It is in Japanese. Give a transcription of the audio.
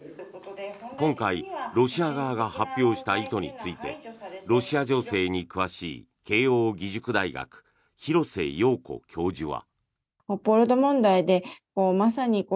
今回ロシア側が発表した意図についてロシア情勢に詳しい慶應義塾大学廣瀬陽子教授は。